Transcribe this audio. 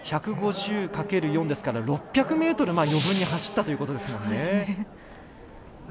１５０かける４ですから６００ｍ余分に走ったということですよね。